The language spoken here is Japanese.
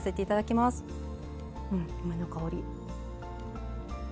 うん梅の香り。